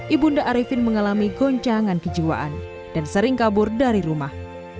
ibu nda arifin mengalami goncangan kejiwaan dan sering kabur dari rumah